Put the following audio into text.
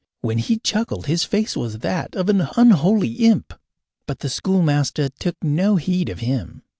When he chuckled his face was that of an unholy imp. But the schoolmaster took no heed of him.